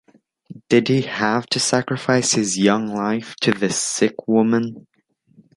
Did he have to sacrifice his young life to this sick woman?